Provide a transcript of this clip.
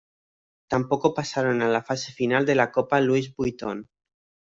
Tampoco pasaron a la fase final de la Copa Louis Vuitton.